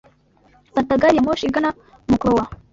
Fata gari ya moshi igana Moncloa.